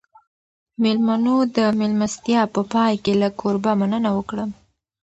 مېلمنو د مېلمستیا په پای کې له کوربه مننه وکړه.